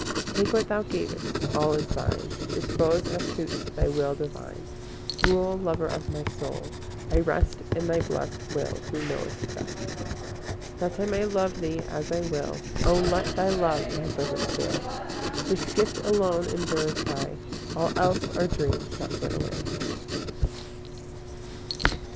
IV Take what Thou gavest—all is Thine; Dispose as suits Thy will divine; Rule, Lover of my soul; I rest In Thy blest will who knowest best. V That I may love Thee as I will, O let Thy love my bosom fill; This gift alone endureth aye— All else are dreams that flit away.